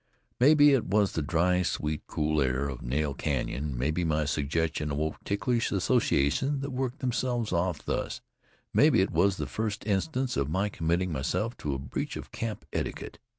Maybe it was the dry, sweet, cool air of Nail Canyon; maybe my suggestion awoke ticklish associations that worked themselves off thus; maybe it was the first instance of my committing myself to a breach of camp etiquette.